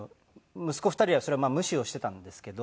息子２人はそれ無視をしてたんですけど。